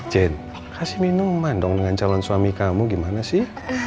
jane kasih minuman dong dengan calon suami kamu gimana sih